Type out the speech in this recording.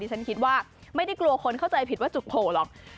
ฉันคิดว่าไม่ได้กลัวคนเข้าใจผิดว่าจุดโผล่หรอก